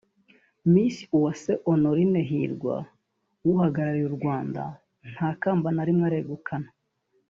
Miss Uwase Honorine Hirwa uhagarariye u Rwanda nta kamba na rimwe aregukana